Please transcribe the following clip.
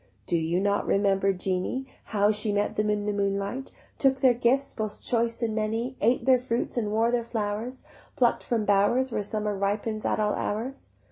Do you not remember Jeanie, How she met them in the moonlight, Took their gifts both choice and many, Ate their fruits and wore their flowers Pluck'd from bowers Where summer ripens at all hours?